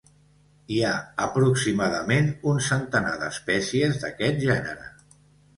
Hi ha aproximadament un centenar d'espècies d'aquest gènere.